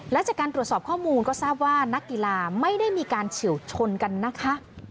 และจากการตรวจสอบข้อมูลก็ทราบว่านักกีฬาไม่ได้มีการเฉียวชนกันนะคะ